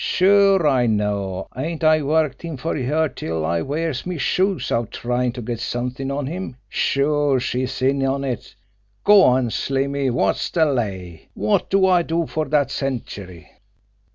Sure! I know! Ain't I worked him fer her till I wears me shoes out tryin' to get somet'ing on him! Sure, she's in on it! Go on, Slimmy, wot's de lay? Wot do I do fer dat century?"